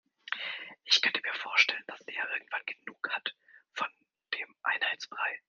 Ich könnte mir vorstellen, dass Lea irgendwann genug hat von dem Einheitsbrei.